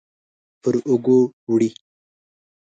پر اوږو وړي